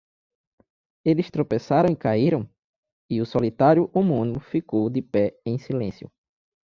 Eles tropeçaram e caíram? e o solitário homónimo ficou de pé em silêncio.